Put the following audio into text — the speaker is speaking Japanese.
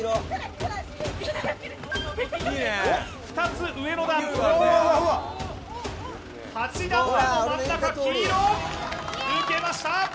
２つ上の段、８段目の真ん中黄色、抜けました。